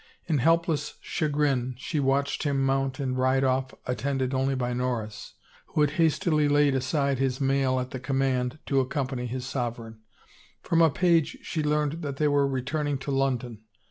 In helpless chagrin she watched him mount and ride off attended only by Norris, who had hastily laid aside his mail at the command to accompany his sovereign; from a page she learned that they were returning to London.